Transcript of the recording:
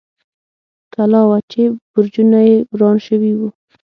کلا وه، چې برجونه یې وران شوي و.